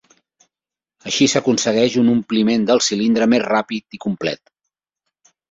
Així s'aconsegueix un ompliment del cilindre més ràpid i complet.